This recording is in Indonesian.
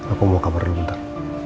aku mau kabar dulu ntar